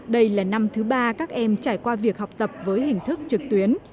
đây là năm thứ ba các em trải qua việc học tập với hình thức trực tuyến